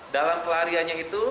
dalam pelariannya itu